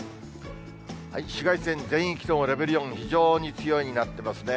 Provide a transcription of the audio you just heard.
紫外線、全域ともレベル４、非常に強いになってますね。